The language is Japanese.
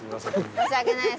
・申し訳ないです。